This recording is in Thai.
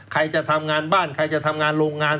ใครจะทำงานบ้านใครจะทำงานโรงงาน